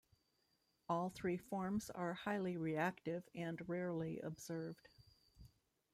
All three forms are highly reactive and rarely observed.